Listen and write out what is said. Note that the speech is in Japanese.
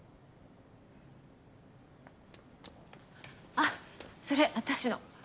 ・あっそれ私の。